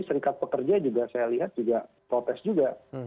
serikat pekerja juga saya lihat juga protes juga